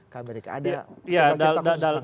ke amerika ada contoh contoh